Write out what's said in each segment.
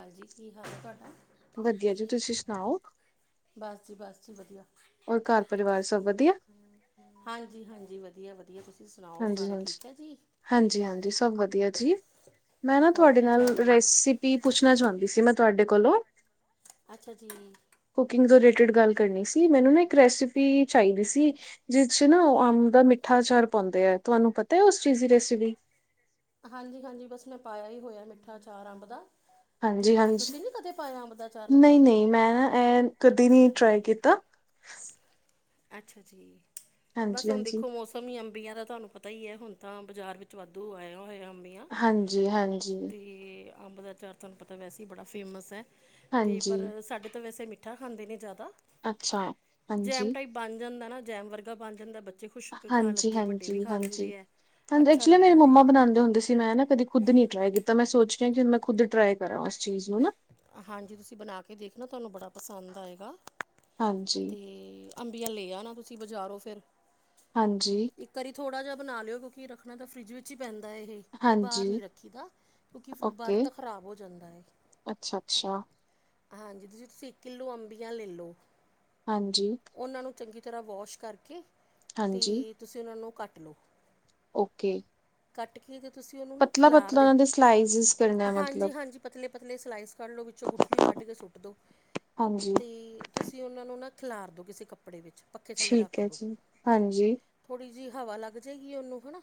ਹਾਂਜੀ ਕੀ ਹਾਲ ਹੈ ਤੁਹਾਡਾ ਵਧੀਆ ਜੀ ਤੁਸੀਂ ਸੁਣਾਓ ਬਸ ਜੀ ਬਸ ਜੀ ਵਧੀਆ ਹੋਰ ਘਰ ਪਰਿਵਾਰ ਸਭ ਵਧੀਆ ਹਾਂਜੀ ਹਾਂਜੀ ਵਧੀਆ ਵਧੀਆ ਤੁਸੀਂ ਸੁਣਾਓ ਹਾਂਜੀ ਸਾਰੇ ਹਾਂਜੀ ਠੀਕ ਹੈ ਜੀ ਹਾਂਜੀ ਹਾਂਜੀ ਸਭ ਵਧੀਆ ਜੀ ਮੈਂ ਨਾ ਹੋਰ ਤੁਹਾਡੇ ਕੀ ਚੱਲ ਨਾਲ ਰਿਹਾ ਰੈਸਿਪੀ ਪੁੱਛਣਾ ਚਾਹੁੰਦੀ ਸੀ ਮੈਂ ਤੁਹਾਡੇ ਕੋਲੋਂ ਅੱਛਾ ਜੀ ਕੁਕਿੰਗ ਤੋਂ ਗੱਲ ਕਰਨੀ ਸੀ ਮੈਨੂੰ ਨਾ ਇੱਕ ਰੈਸਿਪੀ ਚਾਹੀਦੀ ਸੀ ਜਿਸ ਚ ਨਾ ਉਹ ਅੰਬ ਦਾ ਮਿੱਠਾ ਚਾਰ ਪਾਉਂਦੇ ਹੈ ਤੁਹਾਨੂੰ ਪਤਾ ਹੈ ਉਸ ਚੀਜ਼ ਦੀ ਰੈਸਪੀ ਹਾਂਜੀ ਹਾਂਜੀ ਬਸ ਮੈਂ ਪਾਇਆ ਹੀ ਹੋਇਆ ਮਿੱਠਾ ਚਾਰ ਅੰਬ ਦਾ ਤੇ ਹਾਂਜੀ ਹਾਂਜੀ ਤੁਸੀਂ ਨੀ ਕਦੇ ਪਾਇਆ ਅੰਬ ਦਾ ਅਚਾਰ ਨਹੀਂ ਮਿੱਠਾ ਨਹੀਂ ਮੈਂ ਨਾ ਇਹ ਕਦੇ ਨੀ ਟ੍ਰੈ ਕੀਤਾ ਅੱਛਾ ਜੀ ਬਸ ਹਾਂਜੀ ਹੁਣ ਹਾਂਜੀ ਦੇਖੋ ਮੌਸਮ ਹੀ ਅੰ ਇਹ ਤਾਂ ਤੁਹਾਨੂੰ ਪਤਾ ਹੀ ਹੈ ਹੁਣ ਤਾਂ ਬਾਜ਼ਾਰ ਵਿੱਚ ਵਾਧੂ ਆਇਆ ਹੋਇਆ ਅੰਬੀਆਂ ਹਾਂਜੀ ਹਾਂਜੀ ਤੇ ਅੰਬ ਦਾ ਚਾਰ ਤੁਹਾਨੂੰ ਪਤਾ ਵੈਸੇ ਹੀ ਬੜਾ ਫੇਮਸ ਹੈ ਅਤੇ ਹਾਂਜੀ ਪਰ ਸਾਡੇ ਤੋਂ ਵੈਸੇ ਮਿੱਠਾ ਖਾਂਦੇ ਨੇ ਜ਼ਿਆਦਾ ਅੱਛਾ ਹਾਂਜੀ ਟਾਈ ਬਣ ਜਾਂਦਾ ਨਾ ਜੈਮ ਵਰਗਾ ਬਣ ਜਾਂਦਾ ਬੱਚੇ ਖੁਸ਼ ਹੋ ਕੇ ਖਾ ਹਾਂਜੀ ਲੈਂਦੇ ਆ ਵੱਡੇ ਵੀ ਹਾਂਜੀ ਖਾ ਹਾਂਜੀ ਲੈਂਦੇ ਹੈ ਹਾਂਜੀ ਅੱਛਾ ਐਕਚੁਲੀ ਲੱਗਦਾ ਮੇਰੀ ਹੈ ਮੰਮਾ ਬਣਾਉਦੇੁੰ ਸੀ ਮੈਂ ਨਾ ਕਦੀ ਖੁਦ ਨੀ ਟਰਾਈ ਕੀਤਾ ਮੈਂ ਸੋਚ ਮੈਂ ਖੁਦ ਟਰਾਈ ਕਰਾਂ ਚੀਜ਼ ਨੂੰ ਨਾ ਹਾਂਜੀ ਤੁਸੀਂ ਬਣਾ ਕੇ ਦੇਖਣਾ ਤੁਹਾਨੂੰ ਬੜਾ ਪਸੰਦ ਆਏਗਾ ਹਾਂਜੀ ਤੇ ਅੰਬੀਆਂ ਲੈ ਆਨਾ ਤੁਸੀਂ ਬਾਜ਼ਾਰੋ ਫੇਿਰ ਹਾਂਜੀ ਇੱਕ ਵਾਰੀ ਥੋੜਾ ਜਿਹਾ ਬਣਾ ਲਿਓ ਕਿਉਂਕਿ ਰੱਖਣਾ ਤਾਂ ਫਰਿੱਜ ਵਿੱਚ ਹੀ ਪੈਂਦਾ ਇਹ ਹਾਂਜੀ ਬਾਹਰ ਨੀ ਰੱਖੀ ਦਾ ਕਿਉਂਕਿ ਬਾਹਰ ਓਕੇ ਤਾਂ ਖ਼ਰਾਬ ਹੋ ਜਾਂਦਾ ਹੈ ਅੱਛਾ ਅੱਛਾ ਹਾਂਜੀ ਤੁਸੀਂ ਤੁਸੀਂ ਕਿੱਲੋ ਅੰਬੀਆਂ ਲੈਲਓ ਹਾਂਜੀ ਤਰ੍ਹਾਂ ਵਾਸ਼ ਕਰਕੇ ਤੇ ਹਾਂਜੀ ਤੁਸੀਂ ਉਹਨਾਂ ਨੂੰ ਕੱਟ ਲਓ ਓਕੇ ਕੱਟ ਕੇ ਪਤਲਾ ਪਤਲਾ ਦੇ ਸਲਾਈਜ਼ ਹਾਂਜੀ ਹਾਂਜੀ ਪਤਲੇ ਪਤਲੇ ਸਲਾਈਸ ਕੱਢ ਲੋ ਵਿੱਚੋਂ ਗੁਠਲੀ ਕੱਢ ਕੇ ਸੁੱਟ ਦੋ ਹਾਂਜੀ ਤੇ ਤੁਸੀਂ ਉਹਨਾਂ ਨੂੰ ਨਾ ਖਿਲਾਰ ਦੋ ਕਿਸੇ ਕੱਪੜੇ ਵਿੱਚ ਪੱਖੇ ਥੱਲੇ ਠੀਕ ਰੱਖ ਹੈ ਦੋ। ਜੀ ਹਾਂਜੀ ਥੋੜ੍ਹੀ ਜਿਹੀ ਹਵਾ ਲੱਗ ਜਾਏਗੀ ਉਹਨੂੰ ਹਨਾ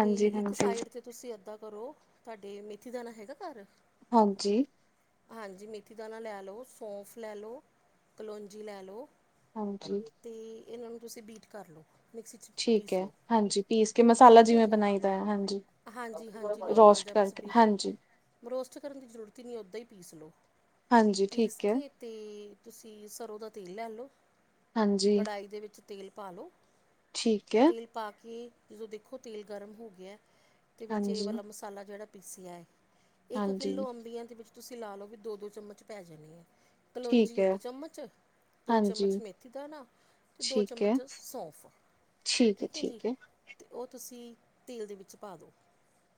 ਤੇ ਇੱਕ ਹਾਂਜੀ ਸਾਈਡ ਤੇ ਤੁਸੀਂ ਅੱਧਾਂ ਕਰੋ ਤੁਹਾਡੇ ਮੇਥੀ ਦਾਾਨ ਹੈਗਾ ਘਰ ਹਾਂਜੀ ਹਾਂਜੀ ਮੇਥੀ ਦਾਣਾ ਲੈ ਲੋ ਸੌਫ ਲੈ ਲੋ ਕਲੋਂਜੀ ਲੈ ਲੋ ਹਾਂਜੀ ਇਹਨਾਂ ਨੂੰ ਤੁਸੀਂ ਬੀਟ ਕਰ ਲਓ ਮਿਕਸੀ 'ਚ ਠੀਕ ਪੀਸ ਹੈ ਹਾਂਜੀ ਪੀਸ ਕੇ ਮਸਾਲਾ ਜਿਵੇਂ ਬਣਾਈ ਹਾਂਜੀ ਹਾਂਜੀ ਨੋਰਮਲ ਜਾਂ ਬਸ ਕਰਕੇ ਵੀ ਹਾਂਜੀ ਰੋਸਟ ਕਰਨ ਦੀ ਜ਼ਰੂਰਤ ਹੀ ਨਹੀਂ ਓਦਾਂ ਪੀਸ ਲੋ ਹਾਂਜੀ ਪੀਸ ਠੀਕ ਹੈ ਕੇ ਤੇ ਤੁਸੀਂ ਸਰੋਂ ਦਾ ਤੇਲ ਲੈ ਲਓ ਹਾਂਜੀ ਕੜਾਹੀ ਦੇ ਵਿੱਚ ਤੇਲ ਪਾ ਲੋ ਠੀਕ ਹੈ ਤੇਲ ਪਾ ਕੇ ਜਦੋਂ ਦੇਖੋ ਤੇਲ ਗਰਮ ਹੋ ਗਿਆ ਤੇ ਵਿੱਚ ਇਹ ਹਾਂਜੀ ਵਾਲਾ ਮਸਾਲਾ ਜਿਹੜਾ ਪੀਸਿਆ ਹੈ ਇੱਕ ਹਾਂਜੀ ਕਿੱਲੋ ਅੰਬੀਆਂ ਦੇ ਵਿੱਚ ਤੁਸੀਂ ਲਾ ਲਓ ਵੀ ਦੋ ਦੋ ਚਮਚ ਪੈ ਜਾਣੇ ਆ ਕਲੋਂਜੀ ਠੀਕ ਹੈ ਇੱਕ ਚਮਚ ਦੋ ਹਾਂਜੀ ਚਮਚ ਮੇਥੀ ਦਾਣਾ ਤੇ ਦੋ ਠੀਕ ਹੈ ਚਮਚ ਸੌਂਫ ਠੀਕ ਹੈ ਜੀ ਤੇ ਉਹ ਤੁਸੀਂ ਤੇਲ ਦੇ ਵਿੱਚ ਪਾ ਦੋ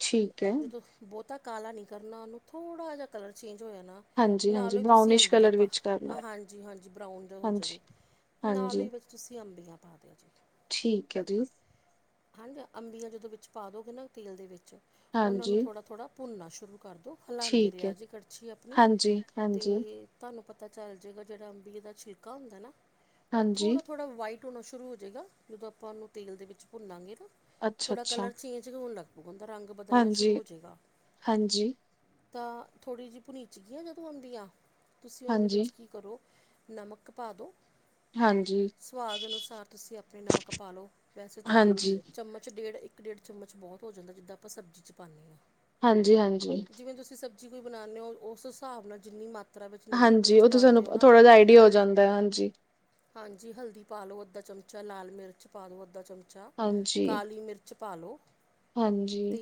ਠੀਕ ਹੈ ਜਦੋਂ ਬਹੁਤਾ ਕਾਲਾ ਨੀ ਕਰਨਾ ਉਹਨੂੰ ਥੋੜਾ ਜਾ ਕਲਰ ਚੇਂਜ ਜੋ ਐ ਨਾ ਹਾਂਜੀ ਹਾਂਜੀ ਨਾਲੋਂ ਹੀ ਤੁਸੀਂ ਬਰਾਊਨਿਸ਼ ਅੰਬੀਆ ਕਲਰ ਪਾ ਵਿੱਚ ਕਰ ਲਓ ਹਾਂਜੀ-ਹਾਂਜੀ ਬਰਾਊਨ ਹੋ ਹਾਂਜੀ ਜਾਵੇ। ਨਾਲ ਹਾਂਜੀ ਈ ਫਰ ਵਿੱਚ ਤੁਸੀਂ ਅੰਬੀਆਂ ਪਾ ਦਿਓ ਜੀ। ਠੀਕ ਏ ਜੀ। ਹਨਜ ਅੰਬੀਆਂ ਜਦੋਂ ਵਿੱਚ ਪਾ ਦੋਗੇ ਨਾ ਤੇਲ ਦੇ ਵਿੱਚ ਉਹਨਾਂ ਨੂੰ ਹਾਂਜੀ ਥੋੜਾ-ਥੋੜ੍ਹਾ ਭੁੰਨਨਾ ਸ਼ੁਰੂ ਕਰਦੋ ਹਲਾਂਦੇ ਠੀਕ ਰਿਆ ਹੈ ਜੀ ਕੜਛੀ ਆਪਣੀ ਹਾਂਜੀ ਤੇ ਹਾਂਜੀ ਤੁਹਾਨੂੰ ਪਤਾ ਪਤਾ ਚੱਲ ਜੇਗਾ ਜੇੜਾ ਅੰਬੀ ਦਾ ਛਿਲਕਾ ਹੁੰਦਾ ਨਾ ਉਹ ਹਾਂਜੀ ਥੋੜਾ-ਥੋੜਾ ਵਾਈਟ ਟੁਣਾ ਸ਼ੁਰੂ ਹੋ ਜੇਗਾ ਜਦੋਂ ਆਪਾਂ ਉਹਨੂੰ ਤੇਲ ਦੇ ਵਿੱਚ ਭੁੰਨਾਂਗੇ ਨਾ ਅੱਛਾ ਥੋੜਾ ਅੱਛਾ ਕਲਰ ਚੇਂਜ ਹੋਣ ਲੱਗ ਹੁਹਦਾ ਰੰਗ ਬਦਲਣਾ ਹਾਂਜੀ ਸ਼ੁਰੂ ਹੋਜੇਗਾ। ਹਾਂਜੀ ਤਾਂ ਥੋੜ੍ਹੀ ਜਿਹੀ ਭੁਨੀਚਗੀਆਂ ਜਦੋਂ ਅੰਬੀਆਂ ਤੁਸੀਂ ਉਹਦੇ ਹਾਂਜੀ ਵਿੱਚ ਕੀ ਕਰੋ ਨਮਕ ਪਾ ਦੋ, ਹਾਂਜੀ ਸਵਾਦ ਅਨੁਸਾਰ ਤੁਸੀਂ ਆਪਣੀ ਨਮਕ ਪਾ ਲੋ ਵੈਸੇ ਤਾਂ ਹਾਂਜੀ ਚਮਚ ਡੇਢ ਇੱਕ ਡੇਢ ਚਮਚ ਬਹੁਤ ਹੋ ਜਾਂਦਾ ਜਿੱਦਾਂ ਆਪਾਂ ਸਬਜ਼ੀ 'ਚ ਪਾਂਣੇ ਆ। ਹਾਂਜੀ-ਹਾਂਜੀ। ਕੋਈ ਬਣਾਨੇ ਓ ਉਸ ਹਿਸਾਬ ਨਾਲ ਜਿੰਨੀ ਮਰ ਹਾਂਜੀ ਉਹਥੇ ਸਾਨੂੰ ਥੋੜਾ ਜਹਾ ਆਈਡੀਆ ਹੋ ਜਾਂਦਾ ਹਾਂਜੀ। ਹਾਂਜੀ ਹਲਦੀ ਪਾ ਲੋ ਅੱਧਾ ਚਮਚਾ ਲਾਲ ਮਿਰਚ ਪਾ ਦੋ ਅੱਧਾ ਚਮਚਾ ਚ ਹਾਂਜੀ ਕਾਲੀ ਮਿਰਚ ਪਾਲੋ, ਹਾਂਜੀ ਤੇ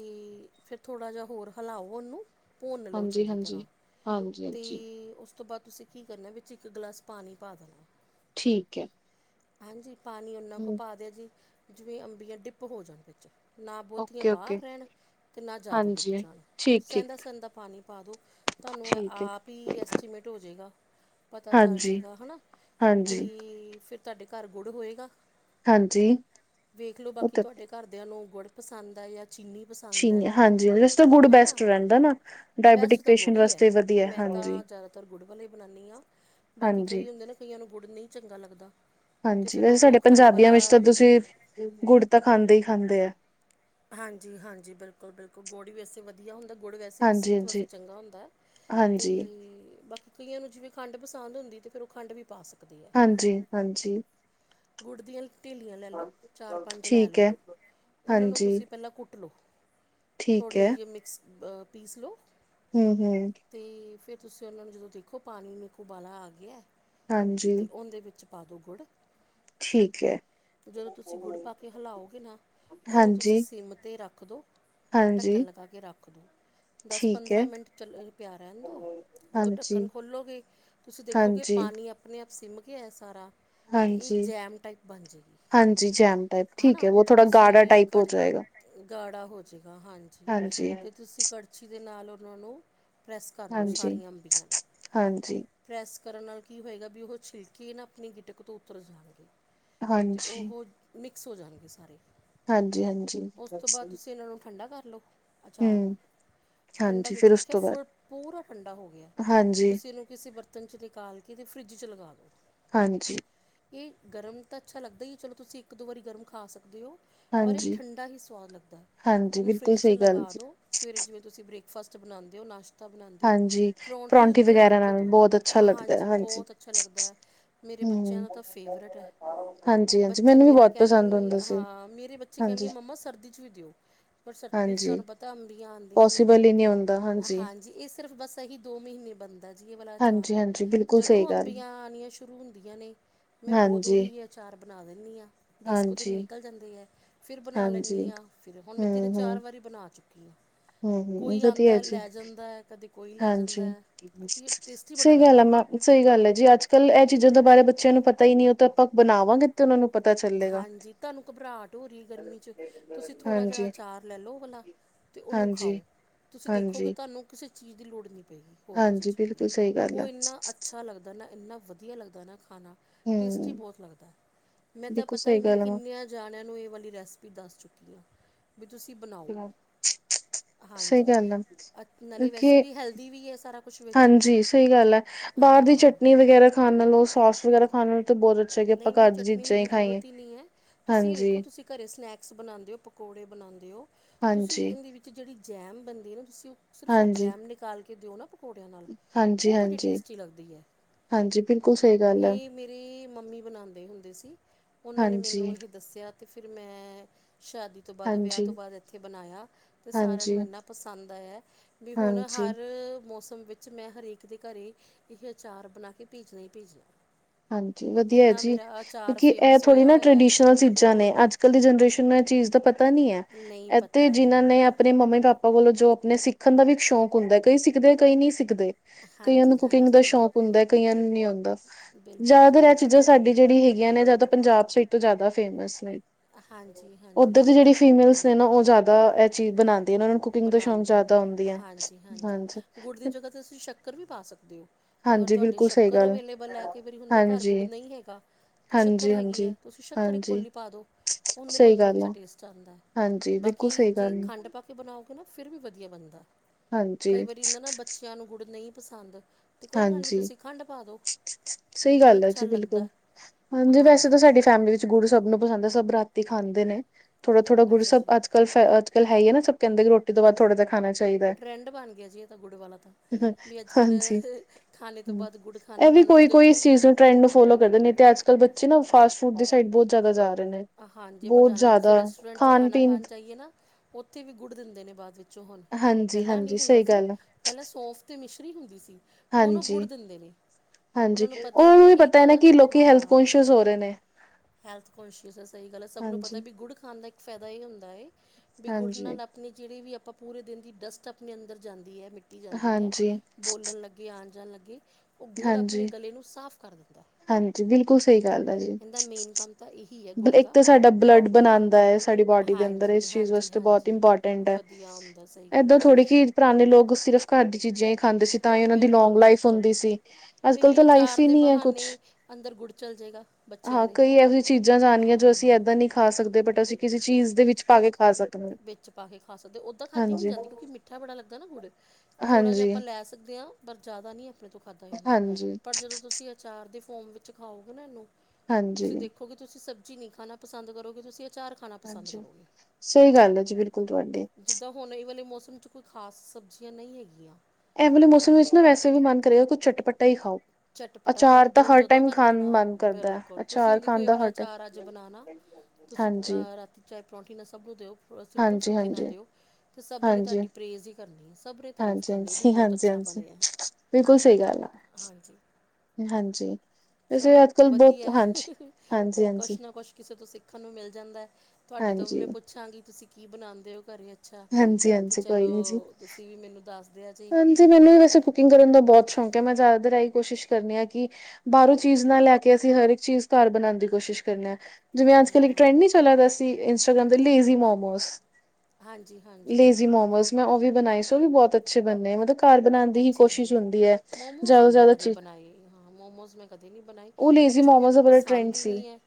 ਫਿਰ ਥੋੜ੍ਹਾ ਜਿਹਾ ਹੋਰ ਹਿਲਾਓ ਉਹਨੂੰ ਭੁੰਨ ਲੋ ਹਾਂਜੀ ਹਾਂਜੀ ਚੰਗੀ ਤਰ੍ਹਾਂ ਹਾਂਜੀ ਤੇ ਹਾਂਜੀ ਉਸ ਤੋਂ ਬਾਅਦ ਤੁਸੀਂ ਕੀ ਕਰਨਾ ਵਿੱਚ ਇੱਕ ਗਲਾਸ ਪਾਣੀ ਪਾ ਦੇਣਾ। ਠੀਕ ਐ। ਹਾਂਜੀ ਪਾਣੀ ਓਨਾ ਕੁ ਪਾ ਦਿਆ ਜੀ ਜਿਵੇਂ ਅੰਬੀਆਂ ਡਿੱਪ ਹੋ ਜਾਣ ਵਿੱਚ। ਨਾ ਬਹੁਤੀਆਂ ਓਕੇ ਓਕੇ ਬਾਹਰ ਰਹਿਣ ਤੇ ਨਾ ਜ਼ਿਆਦਾ ਡੁੱਬ ਹਾਂਜੀ ਜਾਣ ਠੀਕ-ਠੀਕ, ਸਹਿੰਦਾ-ਸਹਿੰਦਾ ਪਾਣੀ ਪਾ ਦੋ। ਤੁਹਾਨੂੰ ਠੀਕ ਏ ਆਪ ਈ ਐਸਟੀਮੇਟ ਹੋ ਜੇਗਾ ਪਤਾ ਚੱਲ ਹਾਂਜੀ। ਜੇਗਾ ਹਨਾ। ਹਾਂਜੀ, ਤੇ ਫਿਰ ਤੁਹਾਡੇ ਘਰ ਗੁੜ ਹੋਏਗਾ। ਹਾਂਜੀ ਵੇਖਲੋ ਉਹ ਬਾਕੀ ਤਾਂ ਤੁਹਾਡੇ ਘਰਦਿਆਂ ਨੂੰ ਗੁੜ ਪਸੰਦ ਆ ਜਾਂ ਚੀਨੀ ਪਸੰਦ ਹੈ ਹਾਂਜੀ ਗੁਡ ਹੈ ਨਾ ਬੈਸਟ ਰਹਿੰਦਾ ਨਾ ਬੈਸਟ ਡਾਇਬਟਿਕ ਤਾਂ ਗੁੜ ਪੇਸ਼ੈਂਟ ਹੀ ਹੈ ਵਾਸਤੇ ਵਧੀਆ ਮੈਂ ਹ ਤਾਂ ਜ਼ਿਆਦਾਤਰ ਗੁੜ ਵਾਲਾ ਈ ਬਨਾਣੀ ਆ ਬਾਕੀ ਹਾਂਜੀ, ਕਈ ਹੁੰਦੇ ਨਾ ਕਈਆਂ ਨੂੰ ਗੁੜ ਨਈ ਚੰਗਾ ਲੱਗਦਾ। ਅਤੇ ਹਾਂਜੀ ਫਿਰ ਵੈਸੇ ਉਹ ਸਾਡੇ ਖੰਡ ਪੰਜਾਬੀਆਂ ਵਾਲਾ ਵਿੱਚ ਤਾਂ ਵੀ ਤੁਸੀਂ ਗੁੜ ਤਾਂ ਖਾਂਦੇ ਈ ਖਾਂਦੇ ਆ। ਹਾਂਜੀ-ਹਾਂਜੀ ਬਿਲਕੁਲ-ਬਿਲਕੁਲ ਗੋੜੀ ਵੀ ਵੈਸੇ ਵਧੀਆ ਹੁੰਦਾ। ਗੁੜ ਵੈਸੇ ਵੀ ਹਾਂਜੀ, ਸਿਹਤ ਹਾਂਜੀ, ਵਾਸਤੇ ਚੰਗਾ ਹੁੰਦਾ ਤੇ ਹਾਂਜੀ, ਬਾਕੀ ਕਈਆਂ ਨੂ ਜਿਵੇ ਖੰਡ ਪਸੰਦ ਹੁੰਦੀ ਏ ਤਾਂ ਫਿਰ ਉਹ ਖੰਡ ਵੀ ਪਾ ਸਕ ਹਾਂਜੀ-ਹਾਂਜੀ। ਗੁੜ ਦੀਆਂ ਢੇਲੀਆਂ ਲੈ ਲੋ ਚਾਰ ਪੰਜ ਲੈ ਠੀਕ ਲੋ ਹੈ, ਉਹਨਾਂ ਨੂੰ ਹਾਂਜੀ ਤੁਸੀਂ ਪਹਿਲਾਂ ਕੁੱਟ ਟ ਲੋ ਠੀਕ ਹੈ, ਥੋੜੀਆਂ ਜਹੀਆਂ ਮਿਕਸ ਅਹ ਪੀਸ ਲੋ ਹੂੰ-ਹੂੰ ਤੁਸੀਂ ਉਹਨਾਂ ਨੂੰ ਜਦੋਂ ਦੇਖੋ ਪਾਣੀ ਮੇ ਉਬਾਲਾ ਆ ਗਿਆ ਹਾਂਜੀ ਤੇ ਉਹਦੇ ਵਿੱਚ ਪਾਦੋ ਗੁੜ ਠੀਕ ਐ। ਜਦੋਂ ਤੁਸੀਂ ਗੁੜ ਪਾ ਕੇ ਹਿਲਾਓਗੇ ਨਾ ਉਹਨੂੰ ਹਾਂਜੀ, ਤੁਸੀਂ ਸਿਮ ਤੇ ਰੱਖ ਦੋ‌। ਢੱਕਣ ਹਾਂਜੀ ਲਗਾ ਕੇ ਰੱਖ ਦੋ ਦਸ ਠੀਕ ਹੈ। ਪੰਦਰਾਂ ਮਿੰਟ ਚੱਲ ਪਿਆ ਰਹਿਣ ਦੋ। ਜਦੋਂ ਹਾਂਜੀ, ਢੱਕਣ ਖੋਲੋਗੇ ਤੁਸੀਂ ਦੇਖੋਗੇ ਹਾਂਜੀ ਪਾਣੀ ਆਪਣੇ ਆਪ ਸਿੰਮ ਕੇ ਆ ਸਾਰਾ ਤੇ ਇਹ ਜੈਮ ਟਾਈਪ ਬਣ ਜੇ। ਹਾਂਜੀ ਜੈਮ ਟਾਈਪ ਠੀਕ ਐ ਉਹ ਥੋੜਾ ਤੁਸੀਂ ਗਾੜਾ ਟਾਈਪ ਹੋ ਕੜ ਜਾਏਗਾ। ਗਾੜਾ ਹੋਜੇਗਾ ਹਾਂਜੀ ਤੇ ਤੁਸੀਂ ਕੜਛੀ ਦੇ ਨਾਲ ਉਹਨਾਂ ਨੂੰ ਪ੍ਰੈਸ ਕਰਦੋ ਸਾਰੀਆਂ ਅੰਬੀਆਂ, ਪ੍ਰੈਸ ਕਰਨ ਨਾਲ ਕੀ ਹੋਏਗਾ ਬੀ ਉਹ ਛਿੱਲਕੇ ਨਾ ਆਪਣੀ ਗਿਟਕ ਤੋਂ ਉਤਰ ਜਾਣਗੇ। ਤੇ ਉਹ ਮਿਕਸ ਹੋ ਜਾਣਗੇ ਸਾਰੇ। ਹਾਂਜੀ-ਹਾਂਜੀ। ਉਸ ਤੋਂ ਬਾਅਦ ਤੁਸੀਂ ਇਹਨਾਂ ਨੂੰ ਠੰਡਾ ਕਰ ਲਓ ਅਚਾਰ ਨੂੰ ਠੰਡਾ ਜਦੋਂ ਫਿਰ ਉਸ ਵੇਖਿਆ ਤੋਂ ਬਾਅਦ ਫੁੱਲ ਪੂਰਾ ਠੰਡਾ ਹੋ ਗਿਆ ਜੀ, ਤੁਸੀਂ ਇਹਨੂੰ ਕਿਸੇ ਬਰਤ ਪੱਤਨ 'ਚ ਨਿਕਾਲ ਕੇ ਅਤੇ ਫਰਿੱਜ 'ਚ ਲਗਾ ਦਿਉ ਹਾਂਜੀ ਇਹ ਗਰਮ ਤਾਂ ਅੱਛਾ ਲੱਗਦਾ ਹੀ ਚਲੋ ਤੁਸੀਂ ਇੱਕ ਦੋ ਵਾਰੀ ਗਰਮ ਖਾ ਸਕਦੇ ਹੋ ਹਾਂ ਪਰ ਇਹ ਜੀ, ਠੰਡਾ ਹੀ ਸਵਾਦ ਲੱਗਦਾ ਹਾਂ ਜੀ, ਤਨੂੰ ਬਿਲਕੁਲ ਫਰਿਜ ਚ ਸਹੀ ਗੱਲ ਲਗਾ ਜੀ। ਦੋ ਸਵੇਰੇ ਜਿਵੇਂ ਤੁਸੀਂ ਬ੍ਰਕ ਫਸਟ ਬਣਾਉਦੇ ਉਹ ਨਾਸ਼ਤਾਤੇ ਹਾਂ ਬਣਾਉਂਦੇਓ ਜੀ, ਪਰੌਂਠੀ ਉੱਤੇ ਰੱਖ ਵਗੈਰਾ ਕੇ ਨਾਲ ਦਿਓ ਬਹੁਤ ਅੱਛਾ ਲੱਗਦਾ ਹੈ, ਹਾਂਜੀ ਬਹੁਤ ਅੱਛਾ ਲੱਗਦਾ ਹੈ ਮੇ ਮੇਰੇ ਬੱਚਿਆਂ ਹੂੰ। ਦਾ ਤਾਂ ਫੇਵਰੇਟ ਹੈ ਹਾਂਜੀ, ਹਾਂਜੀ, ਬੱਚੇ ਮੈਨੂੰ ਵੀ ਮੇਰਾ ਬਹੁਤ ਪਸੰਦ ਕਹਿਣਗੇ ਹੁੰਦਾ ਸੀ। ਹਾਂ ਮੇਰੇ ਬੱਚੇ ਹਾਂਜੀ, ਕਹਿਣਗੇ ਮੰਮਾ ਸਰਦੀ ਚ ਵੀ ਦਿਓ ਪਰ ਸਰ ਚ ਹਾਂਜੀ, ਤੁਹਾਨੂੰ ਪਤਾ ਅੰਬੀਆਂ ਆਉਂਦੀਆਂ ਨੀ ਪੋਸੀਬਲ ਹੀ ਨਹੀਂ ਹੁੰਦਾ, ਹਾਂਜੀ ਇਹ ਸਿਰਫ਼ ਬਸ ਇਹੀ ਦੋ ਮਹੀਨੇ ਬਣਦੇ ਜੀ ਹਾਂਜੀ, ਵਾਲਾਚਾਰ ਹਾਂਜੀ, ਬਿਲਕੁਲ ਸਹੀ ਜਦੋਂ ਗੱਲ, ਅੰਬੀਆਂ ਆਉਣੀਆਂ ਸ਼ੁਰੂ ਹੁੰਦੀਆਂ ਨੇ ਮੈਂ ਉਦੋਂ ਹਾਂਜੀ, ਹੀ ਚਾਰ ਬਣਾ ਦਿੰਦੀ ਹਾਂ ਦਸ ਕੁ ਦਿਨ ਹਾਂਜੀ। ਨਿਕਲ ਜਾਂਦੇ ਹੈ ਫਿਰ ਬਣਾ ਹਾਂਜੀ ਲੈਂਦੀ ਹਾਂ ਫਿਰ ਹੁਣ ਮੈਂ ਤਿੰਨ ਚਾਰ ਵਾਰੀ ਬਣਾ ਚੁੱਕੀ ਹਾਂ ਹਮ ਹਮ ਕੋਈ ਤਾਂਥੀਆ ਆਉਂਦਾ ਚ ਲੈ ਜਾਂਦਾ ਕਦੇ ਕੋਈ ਲੈ ਹਾਂਜੀ ਜਾਂਦਾ ਕਿਉਂਕਿ ਟੇਸਟੀ ਬੜਾ ਸਹੀ ਗੱਲ ਲੱਗਦਾ ਆ ਹੈ। ਮੈਂ ਸਹੀ ਗੱਲ ਹੈ ਜੀ ਅੱਜ ਕੱਲ ਇਹ ਚੀਜ਼ਾਂ ਦੇ ਬਾਰੇ ਬੱਚਿਆਂ ਨੂੰ ਪਤਾ ਹੀ ਨੀ ਉਹ ਤੇ ਆਪਾਂ ਬਣਾਵਾਂਗੇ ਤੇ ਉਹਨਾਂ ਨੂੰ ਪਤਾ ਚੱਲੇਗਾ। ਹਾਂਜੀ ਤੁਹਾਨੂੰ ਘਬਰਾਹਟ ਹੋ ਰਹੀ ਹੈ ਗਰਮੀ ਚ ਤੁਸੀਂ ਥੋੜਾ ਜਿਹਾ ਹਾਂਜੀ, ਅਚਾਰ ਲੈ ਲੋ ਭਲਾ ਤੇ ਉਹਨੂੰ ਹਾਂਜੀ, ਖਾਓ ਤੁਸੀਂ ਦੇਖੋਗੇ ਹਾਂਜੀ। ਤੁਹਾਨੂੰ ਕਿਸੇ ਚੀਜ਼ ਦੀ ਲੋੜ ਨਹੀਂ ਪਏਗੀ ਹੋਰ ਕਿਸੇ ਹਾਂਜੀ ਚੀਜ਼ ਦੀ ਬਿਲਕੁਲ ਸਹੀ ਗੱਲ ਉਹ ਆ ਇੰਨਾ ਅੱਛਾ ਲੱਗਦਾ ਨਾ ਇੰਨਾ ਵਧੀਆ ਲੱਗਦਾ ਨਾ ਖਾਣਾ ਟੇਸਟੀ ਹੂੰ ਬਹੁਤ ਲੱਗਦਾ ਮੈਂ ਤਾਂ ਬਿਲਕੁਲ ਪਤਾ ਹੀ ਸਹੀ ਨਹੀਂੀ ਗੱਲ ਕਿੰਨਿਆਂ ਜਾਣਿਆਂ ਨੂੰ ਇਹ ਵਾਲੀ ਰੈਸਪੀ ਦੱਸ ਚੁੱਕੀ ਆ ਵੀ ਤੁਸੀਂ ਬਣਾਓ ਆ। ਸਹੀ ਹਾਂਜੀ ਗੱਲ ਆ ਅ ਨਾਲੇ ਵੈਸੇ ਕਿ ਵੀ ਹੈਲਦੀ ਵੀ ਆ ਸਾਰਾ ਕੁਛ ਵਿਚ ਹਾਂਜੀ ਸਹੀ ਗੱਲ ਹੈ। ਬਾਹਰ ਦੀ ਚਟਨੀ ਵਗੈਰਾ ਖਾਣ ਨਾਲੋਂ ਸੋਸ ਵਗੈਰਾ ਖਾਣ ਤਾਂ ਬਹੁਤ ਅੱਛਾ ਕਿ ਆਪਾਂ ਨਹੀਂ ਨਹੀਂ ਘਰ ਚਟਨੀ ਦੀ ਚੀਜ਼ਾਂ ਖਾਈਏ। ਜ਼ਰੂਰਤ ਹੀ ਨਹੀਂ ਹੈ ਤੁਸੀਂ ਇਹ ਹਾਂਜੀ, ਦੇਖੋ ਤੁਸੀਂ ਘਰ ਸਨੈਕਸ ਬਣਾਉਂਦੇ ਹੋ ਪਕੌੜੇ ਬਣਾਉਂਦੇ ਹੋ ਤੁਸੀਂ ਹਾਂਜੀ, ਇਹਦੇ ਵਿੱਚ ਜਿਹੜੀ ਜੈਮ ਬਣਦੀ ਨਾ ਤੁਸੀਂ ਉਹ ਸਿਰਫ ਉਹ ਹਾਂਜੀ। ਜੈਮ ਨਿਕਾਲ ਕੇ ਦਿਓ ਨਾ ਪੋੜਿਆਂ ਨਾਲ ਹਾਂਜੀ, ਉਹ ਬੜੀ ਹਾਂਜੀ, ਟੇਸਟੀ ਲੱਗਦੀ ਹੈ ਹਾਂਜੀ ਬਿਲਕੁਲ ਸਹੀ ਗੱਲ ਹੈ। ਇਹ ਮੇਰੀ ਮੰਮੀ ਬਣਾਉਂਦੇ ਹੁੰਦੇ ਸੀ ਉਹਨਾਂ ਨੇ ਹਾਂਜੀ, ਮੈਨੂੰ ਇਹ ਦੱਸਿਆ ਤੇ ਫਿਰ ਮੈਂ ਸ਼ਾਦੀ ਤੋਂ ਬਾਅਦ ਵਿਆਹ ਹਾਂਜੀ, ਤੋਂ ਬਾਅਦ ਇੱਥੇ ਬਣਾਇਆ ਅਤੇ ਸਾਰਿਆਂ ਹਾਂਜੀ, ਨੂੰ ਇੰਨਾ ਪਸੰਦ ਆਇਆ ਵੀ ਹੁਣ ਹਾਂਜੀ, ਹਰ ਮੌਸਮ ਵਿੱਚ ਮੈਂ ਹਰੇਕ ਦੇ ਘਰੇ ਇਹ ਅਚਾਰ ਬਣਾ ਕੇ ਭੇਜਣਾ ਹੀ ਭੇਜਣਾ ਹਾਂਜੀ ੀ ਵਧੀਆ ਇੰਨਾ ਜੀ ਮੇਰਾ ਅਚਾਰ ਕਿਉਂਕਿ ਇਹ ਫੇਮਸ ਥੋੜ੍ਹੀ ਹੋਇਆ ਨਾ ਹੋਇਆ ਹੈ। ਟ੍ਰਡੀਸ਼ਨਲ ਚੀਜ਼ਾਂ ਨੇ ਅੱਜ ਕੱਲ ਦੀ ਜਨਰੇਸ਼ਨ ਨੂੰ ਇਹ ਚੀਜ਼ ਤਾਂ ਪਤਾ ਨੀ ਹੈ ਨਹੀਂ ਪਤਾ ਇੱਥੇ ਜਿਨਾਂ ਨੇ ਹੈ ਆਪਣੇ ਮੰਮੀ ਪਾਪਾ ਆਪਾਂ ਵਲੋਂ ਜੋ ਆਪਣੇ ਸਿੱਖਣ ਦਾ ਵੀ ਇੱਕ ਸ਼ੌਕ ਹੁੰਦਾ ਕਈ ਸਿੱਖਦੇ ਕਈ ਨਹੀਂ ਸਿੱਖਦੇ ਕਈਆਂ ਹਾਂਜੀ ਨੂੰ ਕੁਕਿੰਗ ਦਾ ਹਾਂਜੀ ਸ਼ੌਂਕ ਹੁੰਦਾ ਕਈਆਂ ਨੂੰ ਨਹੀਂੀ ਆਉਂਦਾ ਬਿਲਕੁਲ ਜੀ ਜ਼ਿਆਦਾਤਰ ਇਹ ਚੀਜ਼ਾਂ ਬਿਲਕੁਲ ਸਾਡੀ ਜਿਹੜੀ ਹੈਗੀਆਂ ਨੇ ਜਿਆ ਪੰਜਾਬ ਸ ਤੋਂ ਜ਼ਿਆਦਾ ਫੇਮਸ ਨੇ ਹਾਂਜੀ ਹਾਂਜੀ ਉੱਧਰ ਦੀ ਜਿਹੜੀ ਹਾਂਜੀ ਫੀਮੇਲਸ ਨੇ ਨਾ ਉਹ ਜ਼ਿਆਦਾ ਇਹ ਚੀਜ਼ ਬਣਾਉਂਦੇ ਬਣਾਉਂਦੇ ਨੇ ਹਾਂਜੀ ਹਾਂਜੀ ਗੁੜ ਦੀ ਜਗ੍ਹਾ ਤੇ ਤੁਸੀਂ ਸ਼ੱਕਰ ਵੀ ਪਾ ਸਕਦੇ ਹੋ ਅਗਰ ਹਾਂਜੀ ਤੁਹਾਡੇ ਬਿਲਕੁਲ ਸਹੀ ਸ਼ੱਕਰ ਗੱਲ। ਅਵੇਲੇਬਲ ਹੈ ਕਈ ਵਾਰੀ ਹੁੰਦਾ ਘਰ ਗੁੜ ਹਾਂਜੀ, ਨਹੀਂ ਹੈਗਾ ਤਾਂ ਸ਼ੱਕਰ ਹਾਂਜੀ, ਹੈਗੀ ਹੈ ਹਾਂਜੀ, ਤੁਸੀਂ ਸ਼ੱਕਰ ਇੱਕ ਹਾਂਜੀ ਕੌਲੀ ਪਾ ਦੋ ਉਹਦੇ ਨਾਲ ਸਹੀ ਵੀ ਗੱਲ ਅੱਛਾ ਆ। ਟੇਸਟ ਆਉਂਦਾ ਹਾਂਜੀ, ਬਿਲਕੁਲ ਬਾਕੀ ਸਹੀ ਜੇ ਗੱਲ ਏ। ਖੰਡ ਪਾ ਅਤੇ ਬਣਾਓ ਕੇ ਨਾ ਫਿਰ ਵੀ ਵਧੀਆ ਬਣਦਾ ਹਾਂਜੀ, ਕਈ ਵਾਰੀ ਹੁੰਦਾ ਨਾ ਬੱਚਿਆਂ ਨੂੰ ਗੁੜ ਨਹੀਂ ਪਸੰਦ ਤੇ ਕੋਈ ਗੱਲ ਨਹੀਂੀ ਹਾਂਜੀ ਤੁਸੀਂ ਖੰਡ ਪਾ ਦੋ ਉਹ ਸਹੀ ਵੀ ਗੱਲ ਹੈ ਅੱਛਾ ਜੀ ਲੱਗਦਾ ਬਿਲਕੁਲ। ਹਾਂਜੀ ਵੈਸੇ ਤਾਂ ਸਾਡੀ ਫੈਮਿਲੀ ਵਿੱਚ ਗੁੜੂ ਸਭ ਨੂੰ ਪਸੰਦ ਹੈ ਸਭ ਰਾਤੀ ਖਾਂਦੇ ਨੇ ਥੋੜਾ ਥੋੜਾ ਗੁੜ ਅੱਛਾ ਸਭ ਜੀ ਅੱਜ ਕੱਲ ਫ ਅੱਜ ਕਲ ਹੈਗੇ ਨਾ ਸ ਕਹਦੇ ਰੋਟੀ ਤੋਂ ਬਾਦ ੋੜਾ ਖਾਣਾ ਚ ਟਰੈਂਡ ਬਣ ਗਿਆ ਜੀ ਇਹਦਾ ਗੁੜੇ ਵਾਲਾ ਤਾਂ ਵੀ ਅੱਜ ਕੱਲ ਹਮ ਇਹ ਵੀ ਕੋਈ ਕੋਈ ਦੇਖੋ ਇਸ ਚੀਜ਼ ਨੂੰ ਟਰੈਂਡ ਨੂੰ ਫੋਲੋ ਕਰਦਾ ਨਹੀਂ ਤੇ ਅੱਜ ਕੱਲ ਬੱਚੇ ਨਾ ਫਾਸਟ ਫੂਡ ਦੀ ਸਾਈਡ ਬਹੁਤ ਜ਼ਿਆਦਾ ਜ਼ਦਾ ਹਾਂਜੀ ਆਪਾਂ ਜਾਂਦੇ ਕਿਸੇ ਰੈਸਟੋਰੈਂਟ ਚ ਖਾਣਾ ਖਾਣ-ਪੀਣ ਖਾਣ ਚਾਹੀਏ ਨਾ ਉੱਥੇ ਵੀ ਗੁੱੜ ਦਿੰਦੇ ਨੇ ਬਾਅਦ ਵਿੱਚ ਚਹਣ ਹਾਂਜੀ, ਪਹਿਲਾਂ ਨਹੀਂ ਹਾਂਜੀ ਹੁੰਦਾ ਸਹੀ ਸੀ ਗੱਲ ਆ। ਪਹਿਲਾਂ ਸੌਫ ਤੇ ਮਿਸ਼ਰੀ ਹੁੰਦੀ ਸੀ ਹੁਣ ਉਹ ਗੁੜ ਹਾਂਜੀ, ਦਿੰਦੇ ਨੇ ਉਹਨਾਂ ਹਾਂਜੀ ਨੂੰ ਪਤਾ ਉਹਨੂੰ ਵੀ ਇਹ ਪਤਾ ਇੱਕ ਹੈ ਨਾ ਕਿ ਲੋਕੀ ਹੈਲਥ ਹਾਂ ਕੋਂਸ਼ੀਅਸ ਹੋ ਰਹੇ ਨੇ ਹੈਲਥ ਕੋਸ਼ ਜ ਸਹੀ ਗੱਲ ਹੈ ਸਭ ਨੂੰ ਪਤਾ ਹਾਂਜੀ, ਵੀ ਗੁੜ ਖਾਣ ਦਾ ਇੱਕ ਫਾਇਦਾ ਇਹ ਹੁੰਦਾ ਹੈ ਵੀ ਗੁੜ ਹਾਂਜੀ, ਨਾਲ ਆਪਣੇ ਜਿਹੜੇ ਵੀ ਆਪਾਂ ਪੂਰੇ ਦਿਨ ਦੀ ਡਸਟ ਆਪਣੇ ਅੰਦਰ ਜਾਂਦੀ ਹੈ ਮਿੱਟੀ ਜਾਂਦੀ ਹੈ ਹਾਂਜੀ, ਬੋਲਣ ਲੱਗੇ ਆਉਣ ਜਾਣ ਲੱਗੇ ਉਹ ਗੁੜ ਹਾਂਜੀ ਆਪਣੇ ਗਲੇ ਨੂੰ ਸਾਫ਼ ਕਰ ਦਿੰਦਾ ਹਾਂਜੀ ਬਿਲਕੁਲ ਸਹੀ ਗੱਲ ਆ ਜੀ ਇਹਦਾ ਮੇਨ ਕੰਮ ਤਾਂ ਇਹੀ ਹੈ ਗੁੜ ਇੱਕ ਦਾ ਤਾਂ ਸਾਡਾ ਬਲੱਡ ਬਣਾਉਂਦਾ ਹੈ ਸਾਡੀ ਬੋਡੀ ਦੇ ਅੰਦਰ ਹਾਂਜੀ ਇਸ ਚੀਜ਼ ਹਾਂਜੀ ਵਾਸਤੇ ਬਹੁਤ ਹੀ ਹਾਂਜੀ ਇੰਪੋਰਟੈਂਟ ਹੈ ਵਧੀਆ ਹੁੰਦਾ ਸਹੀ ਗੱਲ ਇਏਦਾਂ ਹੈ ਥੋੜੇ ਕਿ ਪੁਰਾਣੇ ਲੋਕ ਸਿਰਫ਼ ਘਰ ਦੀ ਚੀਜ਼ਾਂ ਹੀ ਖਾਂਦੇ ਸੀ ਤਾਂ ਹੀ ਉਹਨਾਂ ਦੀ ਬਿਲਕੁਲ ਲੋਂਂਗ ਲਾਈਫ ਬਿਲਕੁਲ ਹੁੰਦੀ ਸੀ ਅੱਜ ਕੱਲ ਇਹੀ ਤਾਂ ਲਾਈਫ ਹੀ ਨਹੀਂੀ ਹੈ ਕੁਛ ੇਗਾ ਬੱਚਿਆਂ ਹਾਂ ਦੇ ਕਈ ਇਹੋ ਜਿਹੀ ਚੀਜ਼ਾਂ ਜਾਣੀਆਂ ਜੋ ਅਸੀਂ ਇੱਦਾਂ ਹਾਂ ਨਹੀਂ ਖਾ ਸਕਦੇ ਬਟ ਅਸੀਂ ਕਿਸੇ ਚੀਜ਼ ਦੇ ਵਿੱਚ ਪਾ ਕੇ ਖਾ ਸਕਦੇ ਹਾਂ। ਵਿੱਚ ਪਾ ਕੇ ਖਾ ਸਕਦੇ ਉਦਾਂ ਖਾਧੀ ਨੀ ਹਾਂਜੀ, ਜਾਂਦੀ ਕਿਉਂਕਿ ਮਿੱਠਾ ਬੜਾ ਲੱਗਦਾ ਨਾ ਗੁੜੇ ਥੋੜਾ ਜਿਹਾ ਹਾਂਜੀ, ਆਪਾਂ ਲੈ ਸਕਦੇ ਪਰ ਜ਼ਿਆਦਾ ਨਹੀਂ ਆਪਣੇ ਤੋਂ ਖਾਧਾ ਜਾਂਦਾ ਹਾਂਜੀ। ਪਰ ਜਦੋਂ ਤੁਸੀਂ ਅਚਾਰ ਦੇ ਫੋਮ ਵਿੱਚ ਖਾਓਗੇ ਨਾ ਇਹਨੂੰ ਹਾਂਜੀ, ਤੁਸੀਂ ਦੇਖੋਗੇ ਤੁਸੀਂ ਸਬਜ਼ੀ ਨਹੀਂ ਖਾਣਾ ਪਸੰਦ ਕਰੋਗੇ ਤੁਸੀਂ ਅਚਾਰ ਖਾਣਾ ਪਸੰਦ ਹਾਂਜੀ ਕਰੋਗੇ ਸਹੀ ਗੱਲ ਹੈ ਜੀ ਬਿਲਕੁਲ ਤੁਹਾਡੀ ਉਸ 'ਚ ਕੋਈ ਖ਼ਾਸ ਸਬਜ਼ੀਆਂ ਨਹੀਂ ਹੈਗੀਆਂ ਐ ਵਾਲਲੇ ਮੌਸਮ ਵਿੱਚ ਨਾ ਵੈਸੇ ਵੀ ਮਨ ਕਰੇਗਾ ਕੁੱਝ ਚਟਪੱਟਾ ਹੀ ਖਾਓ ਚਟਪਟਾ ਖਾਨ ਅਚਾਰ ਨੂੰ ਤਾਂ ਦਿਲ ਹਰ ਜਦੋਂ ਟਾਈਮ ਕਰਦਾ ਖਾਣ ਨਾ ਨੂੰ ਮਨ ਕਰਦਾ ਹੈ ਬਿਲਕੁਲ ਤੁਸੀਂ ਅਚਾਰ ਹ ਖਾਣ ਕੋਏ ਦਾ ਵਾਲਾ ਹਰ ਅਚਾਰ ਅੱਜ ਟਾਈਮ ਬਣਾ ਨਾ ਹਾਂਜੀ, ਤੁਸੀਂ ਹਾਂਜੀ, ਅਹ ਰਾਤੀ ਚਾਹਏ ਪਰੌਂਠੀ ਨਾਲ ਸਭ ਨੂੰ ਦਿਓ ਸਿੰਪਲ ਹਾਂਜੀ, ਫੁਲਕੇ ਹਾਂਜੀ, ਨਾਲ ਦਿਓ ਤੇ ਸਭ ਨੇ ਹਾਂਜੀ, ਤੁਹਾਡੀ ਪ੍ਰੇਜ ਹੀ ਕਰਨੀ ਸਭ ਨੇ ਤਾਰੀਫ਼ ਹਾਂਜੀ, ਕਰਨੀ ਵੀ ਬਹੁਤ ਹਾਂਜੀ, ਅੱਛਾ ਬਣਿਆ। ਬਿਲਕੁਲ ਸਹੀ ਗੱਲ ਆ ਹਾਂਜੀ। ਹਾਂਜੀ ਵੈਸੇ ਚਲੋ ਅੱਜ ਕੱਲ੍ਹ ਬਹੁਤ ਵਧੀਆ ਹਾਂਜੀ ਹਾਂਜੀ ਹਾਂਜੀ, ਕੁਛ ਨਾ ਕੁਛ ਕਿਸੇ ਤੋਂ ਸਿੱਖਣ ਨੂੰ ਮਿਲ ਜਾਂਦਾ ਤੁਹਾਡੇ ਤੋਂ ਵੀ ਹਾਂਜੀ, ਮੈਂ ਪੁੱਛਾਂਗੀ ਤੁਸੀਂ ਕੀ ਬਣਾਉਂਦੇ ਹੋ ਘਰ ਅੱਛਾ ਹਾਂਜੀ, ਤੇ ਹਾਂਜੀ ਕੋਈ ਚਲੋ ਨੀ ਜੀ। ਤੁਸੀਂ ਵੀ ਮੈਨੂੰ ਦੱਸ ਦਿਆ ਜੇ ਹਾਂਜੀ ਮੈਨੂੰ ਵੀ ਵੈਸੇ ਕੁਕਿੰਗ ਕਰਨ ਦਾ ਬਹੁਤ ਸ਼ੌ ਸ਼ੌਂਕ ਮੈਂ ਜ਼ਿਆਦਾਤਰ ਇਹੀ ਕੋਸ਼ਿਸ਼ ਕਰਨੀ ਹਾਂ ਕਿ ਬਾਹਰੋਂ ਚੀਜ਼ ਨਾ ਲੈ ਕੇ ਅਸੀਂ ਹਰਕ ਚੀਜ਼ ਘਰ ਬਣਾਉਣ ਦੀ ਕੋਸ਼ਿਸ਼ ਜਿਵੇਂ ਅੱਜ ਹਾਂ ਕੱਲ ਹਾਂ ਇੱਕ ਹਾਂ ਟਰੈਂਡ ਨੀ ਚਲਾਦਾ ਸੀ ਇੰਸਟਾਗ੍ਰਾਮ ਤੇ ਲੇਜੀੀ ਮੋਮੋ ਹਾਂਜੀ ਹਾਂਜੀ। ਲੇਜੀੀ ਮੋਮੋਸ ਮੈਂ ਉਹ ਵੀ ਬਣਾਈ ਸੀ ਉਹ ਵੀ ਬਹੁਤ ਅੱਛੇ ਬੰਨੇ ਮਤਲਬ ਘਰ ਬਣਾਉਣ ਦੀ ਹੀ ਅੱਛਾ ਜੀ ਕੋਸ਼ਿਸ਼ ਹੁੰਦੀ ਹੈ ਮੋਮੋਸ ਜ਼ਿਆਦਾ ਤੋਂ ਨੀ ਮੈਂ ਜ਼ਿਆਦਾ ਕਦੇ ਚੀਜ਼ ਬਣਾਏ ਹਾਂ ਮੋਮੋਜ਼ ਮੈਂ ਕਦੇ ਨੀ ਬਣਾਏ ਉਹ ਲੇਜ਼ੀ ਐਕਚੁਲੀ ਮੋਮੋਸ ਮੈਨੂੰ ਦਾ ਬੜਾ ਟਰੈਂਡ ਪਸੰਦ ਹੀ ਸੀ ਨਹੀਂ ਹੈ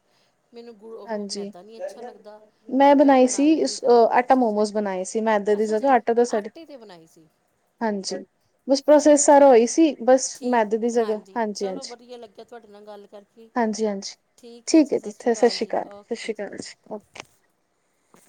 ਮੈਨੂੰ ਗੁ ਉਹ ਹਾਂਜੀ ਮੈਦਾ ਨਹੀਂ ਅੱਛਾ ਲੱਗਦਾ ਮੈਂ ਅਤੇ ਉਹ ਬਣਾਈ ਸੀ ਨਹੀਂ ਕਦੇ ਆਟਾ ਅੱਛਾ ਜੀ ਮੋਮੋਸ ਬਣਾਏ ਸੀ ਮੈਂ ਇੱਧਰ ਦੀ ਅੱਛਾ ਜਗ੍ਹਾ ਜੀ ਆਟਾ ਦਾ ਸਾਡ ਆਟੇ 'ਤੇ ਬਣਾਈ ਸੀ। ਹਾਂਜੀ ਬਸ ਪ੍ਰੋਸੈਸ ਸਾਰਾ ਚਲੋ ਹੋਈ ਸੀ ਬਸ ਠੀਕ ਮੈਦੇ ਦੀ ਜਗ੍ਹਾ ਹਾਂਜੀ ਚਲੋ ਹਾਂਜੀ ਵਧੀਆ ਲੱਗਿਆ ਤੁਹਾਡੇ ਨਾਲ ਗੱਲ ਕਰਕੇ। ਹਾਂਜੀ ਹਾਂਜੀ ਹਾਂਜੀ ਠੀਕ ਹੈ ਜੀ ਸਤਿ ਸ਼੍ਰੀ ਅਕਾਲ ਸਤਿ ਸ਼੍ਰੀ ਅਕਾਲ ਜੀ ਓ [inaudible]